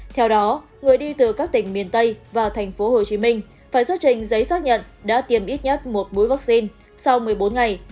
theo đó người đi từ các tỉnh miền tây và tp hcm phải xuất trình giấy xác nhận đã tiêm ít nhất một mũi vaccine sau một mươi bốn ngày